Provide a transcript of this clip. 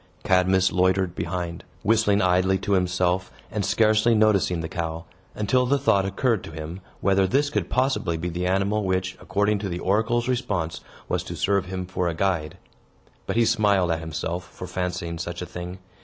Cadmus loitered behind, whistling idly to himself, and scarcely noticing the cow; until the thought occurred to him, whether this could possibly be the animal which, according to the oracle's response, was to serve him for a guide. But he smiled at himself for fancying such a thing.